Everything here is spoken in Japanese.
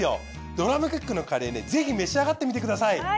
ドラムクックのカレーねぜひ召し上がってみてください。